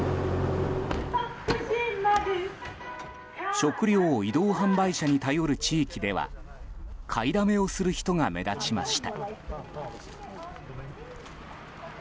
食料を移動販売車に頼る地域では買いだめをする人が目立ちました。